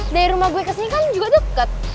dari rumah gue ke sini kan juga deket